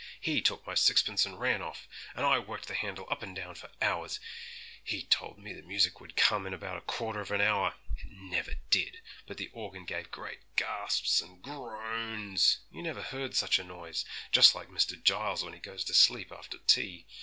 He took my sixpence and ran off, and I worked the handle up and down for hours; he told me the music would come in about a quarter of an hour. It never did, but the organ gave great gasps and groans; you never heard such a noise, just like Mr. Giles when he goes to sleep after tea!